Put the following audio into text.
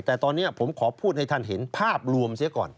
แต่ตอนนี้ผมขอพูดให้ท่านเห็นภาพรวมเสียก่อน